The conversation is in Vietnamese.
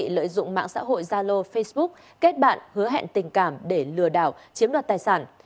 lợi dụng mạng xã hội zalo facebook kết bạn hứa hẹn tình cảm để lừa đảo chiếm đoạt tài sản